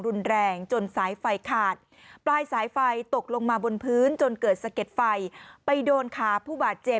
รุนแรงจนสายไฟขาดปลายสายไฟตกลงมาบนพื้นจนเกิดสะเก็ดไฟไปโดนขาผู้บาดเจ็บ